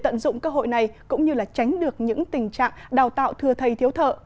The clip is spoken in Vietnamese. những cơ hội này cũng như là tránh được những tình trạng đào tạo thừa thầy thiếu thợ